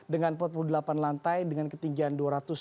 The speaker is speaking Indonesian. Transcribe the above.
dengan empat puluh delapan lantai dengan ketinggian